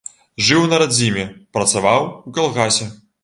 Жыў на радзіме, працаваў у калгасе.